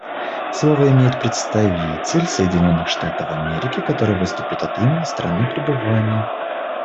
Слово имеет представитель Соединенных Штатов Америки, который выступит от имени страны пребывания.